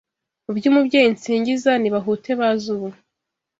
By’Umubyeyi nsingiza Nibahute baze ubu